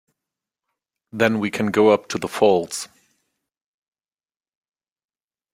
Then we can go up to the falls.